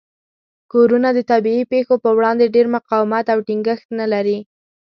کورونه د طبیعي پیښو په وړاندې ډیر مقاومت او ټینګښت نه لري.